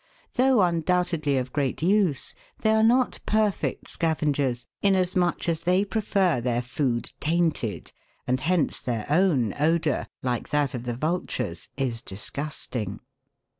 Though undoubtedly of great use, they are not perfect scavengers, inasmuch as they prefer their food tainted, and hence their own odour, like that of the vultures, is disgust ing.